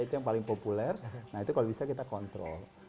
itu yang paling populer nah itu kalau bisa kita kontrol